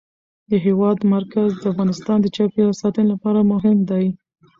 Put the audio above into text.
د هېواد مرکز د افغانستان د چاپیریال ساتنې لپاره مهم دي.